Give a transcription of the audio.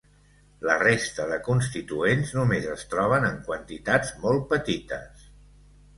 La resta de constituents només es troben en quantitats molt petites.